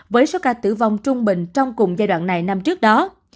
với số ca tử vong trung bình trong cùng giai đoạn này năm trước đó